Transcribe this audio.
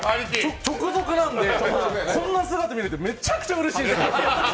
直属なんでこんな姿見れてめちゃくちゃうれしいです。